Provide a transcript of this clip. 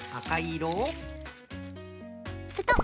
ペトッ。